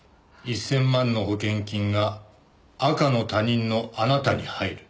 １０００万の保険金が赤の他人のあなたに入る。